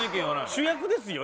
主役ですよ？